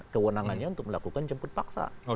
kewenangannya untuk melakukan jemput paksa